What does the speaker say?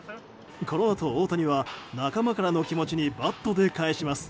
このあと大谷は仲間からの気持ちにバットで返します。